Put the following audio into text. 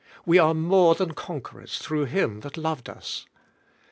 "We are more than conquerors through Him that loved us."